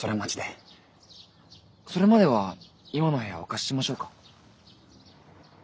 それまでは今の部屋お貸ししましょうか？